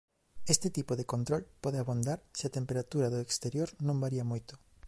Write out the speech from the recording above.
Este tipo de control pode abondar se a temperatura do exterior non varía moito.